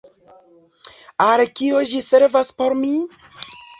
Al kio ĝi servas por mi?